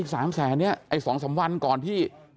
ว่า๓แสนไอ้๒๓วันก่อนที่